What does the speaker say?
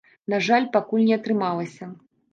На жаль, пакуль не атрымалася.